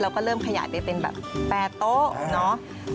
เราก็เริ่มขยายไปเป็นแบบแปรโต๊ะ